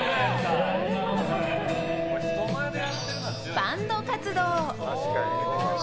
バンド活動。